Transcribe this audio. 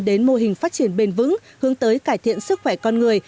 đến mô hình phát triển bền vững hướng tới cải thiện sức khỏe con người